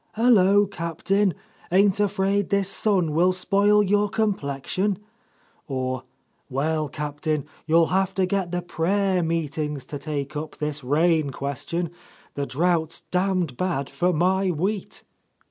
"Hullo, Captain, ain't afraid this sun will spoil your com plexion?" or "Well, Captain, you'll have to get the prayer meetings to take up this rain question. The drought's damned bad for my wheat."